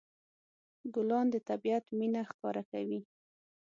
ګلان د طبيعت مینه ښکاره کوي.